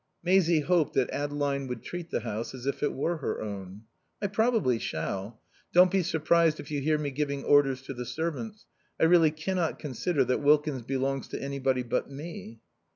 Maisie hoped that Adeline would treat the house as if it were her own. "I probably shall. Don't be surprised if you hear me giving orders to the servants. I really cannot consider that Wilkins belongs to anybody but me."